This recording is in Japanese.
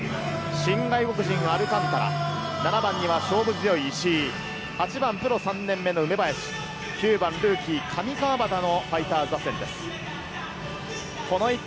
新外国人アルカンタラ、７番には勝負強い石井、８番、プロ３年目の梅林、９番ルーキー・上川畑のファイターズ打線です。